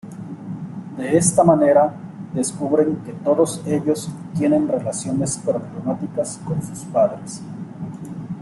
De esta manera descubren que todos ellos tienen relaciones problemáticas con sus padres.